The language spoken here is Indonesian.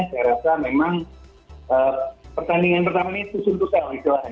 saya rasa memang pertandingan pertama ini susun susun sekali selesai